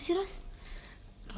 siapa sih ros